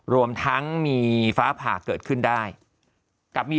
รวมทั้งมีฝ้าผากเกิดขึ้นได้